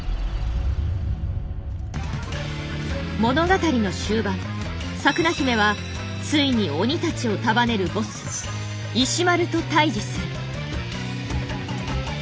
物語の終盤サクナヒメはついに鬼たちを束ねるボス石丸と対峙する。